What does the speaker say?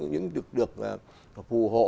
những được phù hộ